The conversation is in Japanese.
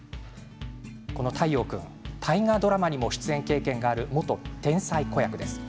この太陽君、大河ドラマにも出演経験がある元天才子役です。